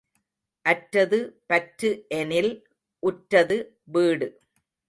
அற்றது பற்று எனில் உற்றது வீடு.